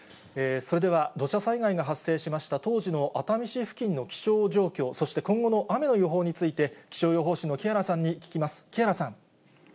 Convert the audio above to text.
それでは土砂災害が発生しました当時の熱海市付近の気象情報、そして、今後の雨の予報について、気象予報士の木原さんに聞きます、木原さん。